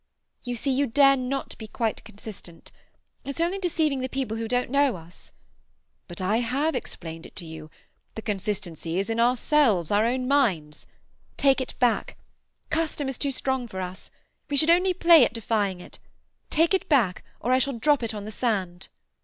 You see, you dare not be quite consistent. It's only deceiving the people who don't know us." "But I have explained to you. The consistency is in ourselves, our own minds—" "Take it back. Custom is too strong for us. We should only play at defying it. Take it back—or I shall drop it on the sand."